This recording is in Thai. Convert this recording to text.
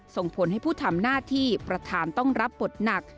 ส่งผลให้ผู้ทำหน้าที่ประธานต้องรับบทหนัก